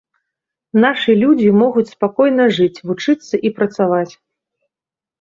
Нашы людзі могуць спакойна жыць, вучыцца і працаваць.